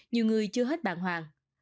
nhiều người chưa hết bàn hoàng